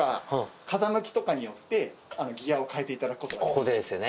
ここでですよね。